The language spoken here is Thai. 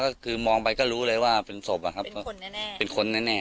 ก็คือมองไปก็รู้เลยว่าเป็นศพอะครับว่าคนแน่เป็นคนแน่